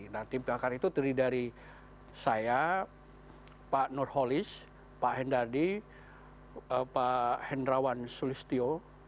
nah tim pakar itu terdiri dari saya pak nurholis pak hendardi pak hendrawan sulistio